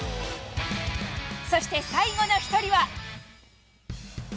そして最後の１人は。